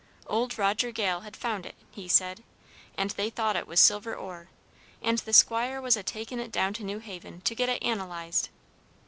Old Roger Gale had found it, he said, and they thought it was silver ore; and the Squire was a takin' it down to New Haven to get it analyzed.